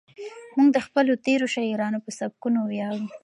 موږ د خپلو تېرو شاعرانو په سبکونو ویاړو.